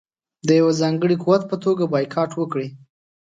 د یوه ځانګړي قوت په توګه بایکاټ وکړي.